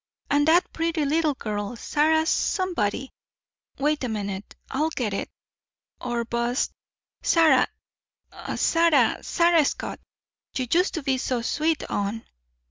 And that pretty little girl, Sarah somebody wait a minute, I'll get it or bust Sarah Sarah Sarah Scott, you used to be so sweet on?